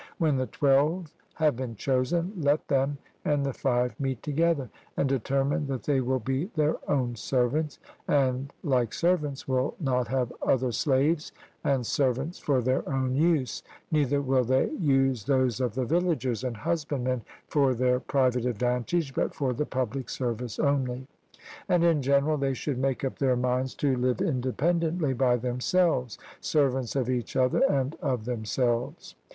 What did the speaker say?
When the twelve have been chosen, let them and the five meet together, and determine that they will be their own servants, and, like servants, will not have other slaves and servants for their own use, neither will they use those of the villagers and husbandmen for their private advantage, but for the public service only; and in general they should make up their minds to live independently by themselves, servants of each other and of themselves.